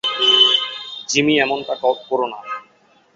Jimmy, এমনটা করো না।